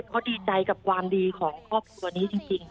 เขาดีใจกับความดีของครอบครัวนี้จริง